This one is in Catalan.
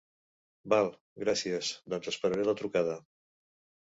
Val, gràcies, doncs esperaré la trucada.